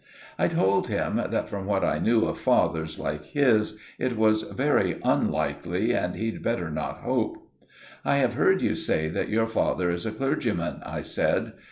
I told him that from what I knew of fathers like his it was very unlikely, and he'd better not hope. "I have heard you say that your father is a clergyman," I said.